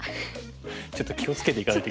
ちょっと気を付けていかないと。